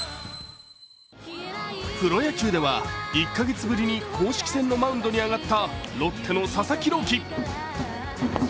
プロ野球では１カ月ぶりに公式戦のマウンドに上がったロッテの佐々木朗希。